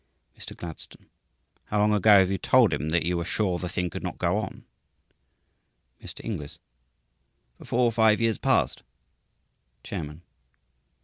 Mr. Gladstone. "How long ago have you told him that you were sure the thing could not go on?" Mr. Inglis. "For four or five years past." Chairman.